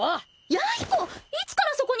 弥彦いつからそこに！？